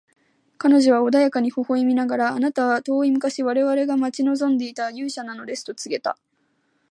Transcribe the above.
彼女は穏やかに微笑みながら、「あなたは遠い昔、我々が待ち望んでいた勇者なのです」と告げた。